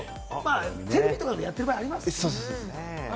テレビとかでやってる場合ありますから。